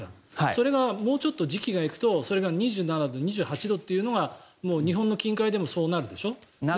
それがもうちょっと時期が行くとそれが２７度、２８度というのが日本の近海でもそうなるでしょ。